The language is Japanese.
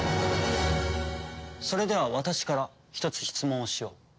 それでは私からひとつ質問をしよう。